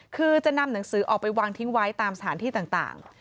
คือจะนำหนังสือออกไปวางทิ้งไว้ตามสถานที่ต่าง